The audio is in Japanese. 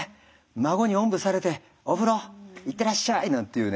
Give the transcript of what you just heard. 孫におんぶされてお風呂行ってらっしゃい」なんていうね